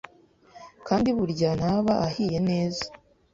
kandi burya ntaba ahiye neza